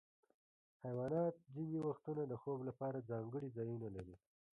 حیوانات ځینې وختونه د خوب لپاره ځانګړي ځایونه لري.